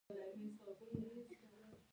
بنګله دیش جوړ شو.